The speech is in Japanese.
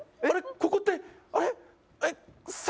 ここってあれっ？さ